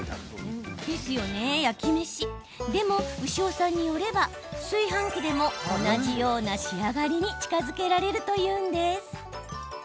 でも牛尾さんによれば炊飯器でも同じような仕上がりに近づけられると言うんです。